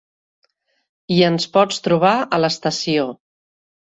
I ens pots trobar a l'estació.